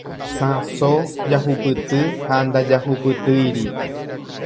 Sãso jahupyty ha ndajahupytýiri.